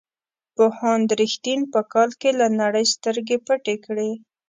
پوهاند رښتین په کال کې له نړۍ سترګې پټې کړې.